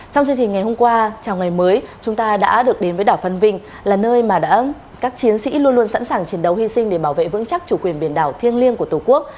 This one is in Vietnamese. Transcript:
trong chương trình ngày hôm qua chào ngày mới chúng ta đã được đến với đảo phan vinh là nơi mà các chiến sĩ luôn luôn sẵn sàng chiến đấu hy sinh để bảo vệ vững chắc chủ quyền biển đảo thiêng liêng của tổ quốc